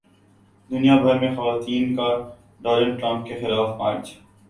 دنیا بھر میں خواتین کا ڈونلڈ ٹرمپ کے خلاف مارچ